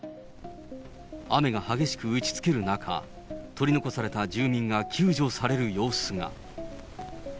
雨が激しく打ちつける中、取り残された住民が救助される様子が。